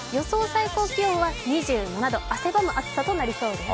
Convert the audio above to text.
最高気温は２７度、汗ばむ暑さとなりそうです。